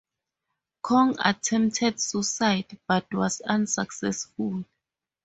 Kong attempted suicide, but was unsuccessful.